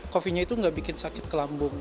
kopinya itu nggak bikin sakit ke lambung